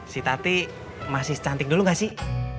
si tati masih cantik dulu gak sih